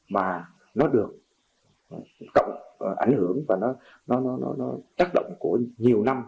mà nó được cộng ảnh hưởng và nó tác động của nhiều năm